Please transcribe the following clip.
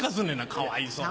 かわいそうに。